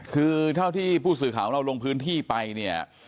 คือเท่าที่ผู้สื่อข่าวของเราลงพื้นที่ไปเนี่ย